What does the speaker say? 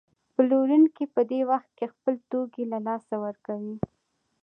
پلورونکی په دې وخت کې خپل توکي له لاسه ورکوي